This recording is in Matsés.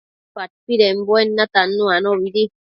padpidembuen natannu anobidi